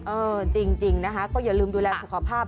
เออจริงนะคะก็อย่าลืมดูแลสุขภาพ